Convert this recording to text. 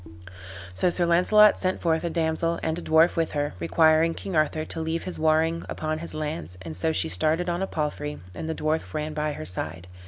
So Sir Launcelot sent forth a damsel, and a dwarf with her, requiring King Arthur to leave his warring upon his lands; and so she started on a palfrey, and the dwarf ran by her side.